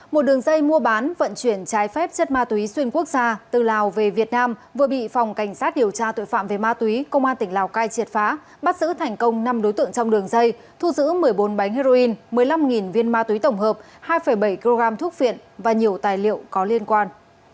một đường dây mua bán vận chuyển trái phép chất ma túy xuyên quốc gia từ lào về việt nam vừa bị phòng cảnh sát điều tra tội phạm về ma túy công an tỉnh lào cai triệt phá bắt giữ thành công năm đối tượng trong đường dây thu giữ một mươi bốn bánh heroin một mươi năm viên ma túy tổng hợp hai bảy kg thuốc viện và nhiều tài liệu có liên quan